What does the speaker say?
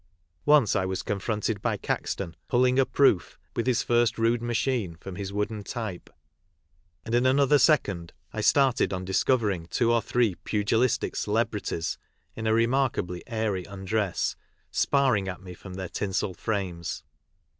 Once I was confronted by Caxton " pulling a proof " with his first rude machine from his wooden type, and in another second I started on discovering two or three pugilistic celebrities, in a remarkably airy undress, sparring at me from their tinsel frames.